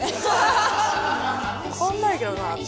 変わんないけどなっていう。